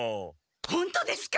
ホントですか？